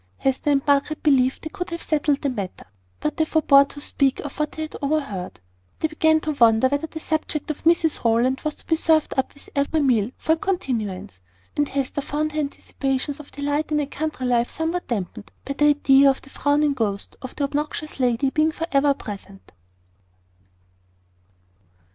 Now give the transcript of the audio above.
Hester and Margaret believed they could have settled this matter; but they forbore to speak of what they had overheard. They began to wonder whether the subject of Mrs Rowland was to be served up with every meal, for a continuance; and Hester found her anticipations of delight in a country life somewhat damped, by the idea of the frowning ghost of the obnoxious lady being for ever present.